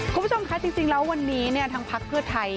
คุณผู้ชมคะจริงแล้ววันนี้ทางพักเพื่อไทย